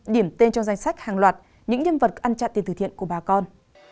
điểm tên trong danh sách hàng loạt những nhân vật an chặn tiền thừa thiện của bà con